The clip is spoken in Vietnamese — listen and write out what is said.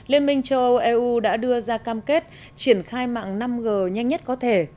liên minh châu âu eu đã đưa ra cam kết triển khai mạng năm g nhanh nhất có thể